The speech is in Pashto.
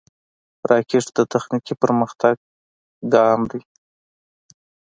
راکټ د تخنیکي پرمختګ ګام دی